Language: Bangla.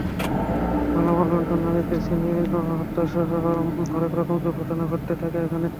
মালামাল লুণ্ঠন, নারীদের ছিনিয়ে নেওয়া, হত্যাসহ হরেকরকম দুর্ঘটনা ঘটতে থাকে এখানে।